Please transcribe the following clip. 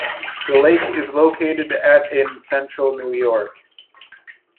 The lake is located at in central New York.